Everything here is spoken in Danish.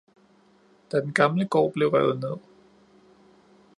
Da den gamle gård blev revet ned